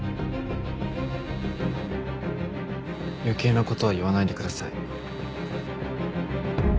余計な事は言わないでください。